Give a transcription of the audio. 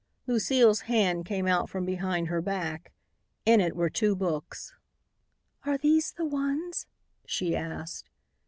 Lucile's hand came out from behind her back. In it were two books. "Are these the ones?" she asked.